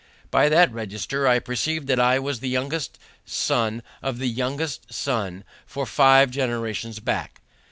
By that register I perceived that I was the youngest son of the youngest son for five generations back.